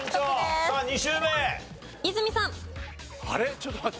ちょっと待ってＤ？